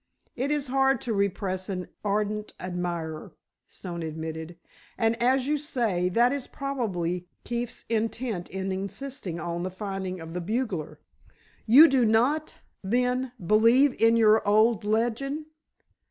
"It is hard to repress an ardent admirer," Stone admitted, "and as you say, that is probably Keefe's intent in insisting on the finding of the bugler. You do not, then, believe in your old legend?"